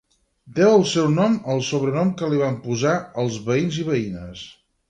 Deu el seu nom al sobrenom que li van posar els veïns i veïnes.